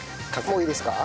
もういいですか？